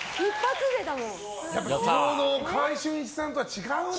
昨日の川合俊一さんとは違うね。